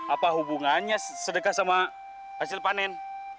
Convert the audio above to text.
apa hubungannya sedekah sama hasil panen